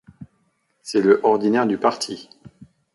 C'est le ordinaire du parti.